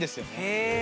へえ。